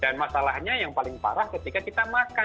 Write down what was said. dan masalahnya yang paling parah ketika kita makan